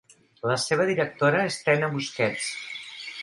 La seva directora és Tena Busquets.